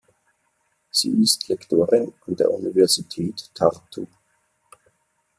Sie ist Lektorin an der Universität Tartu.